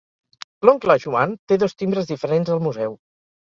L'oncle Joan té dos timbres diferents al museu.